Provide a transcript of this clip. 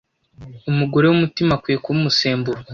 umugore w’umutima akwiye kuba umusemburo